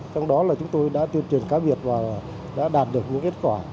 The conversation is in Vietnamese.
trong đó là chúng tôi đã tuyên truyền cá biệt và đã đạt được những kết quả